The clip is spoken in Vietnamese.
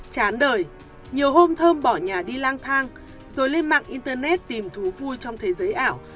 chán đời nhiều hôm thơm bỏ nhà đi lang thang rồi lên mạng internet tìm thú vua trong thế giới ảo